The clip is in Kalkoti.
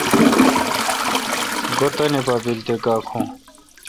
گو°تانی پا بیل تے گا کھوں۔